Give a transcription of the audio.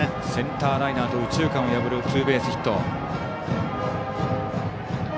センターライナーと右中間を破るツーベースヒット。